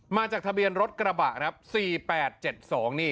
มาจากทะเบียนรถกระบะสี่แปดเจ็ดสอง